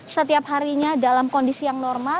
setiap harinya dalam kondisi yang normal